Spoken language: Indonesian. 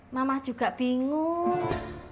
mama juga bingung